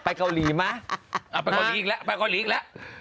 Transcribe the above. เกาหลีมาไปเกาหลีอีกแล้วไปเกาหลีอีกแล้ว